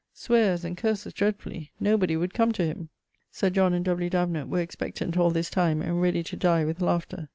sweares and curses dreadfully; nobody would come to him. Sir John and W. Davenant were expectant all this time, and ready to dye with laughter.